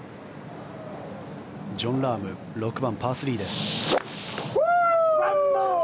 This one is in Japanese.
ジョン・ラーム６番、パー３です。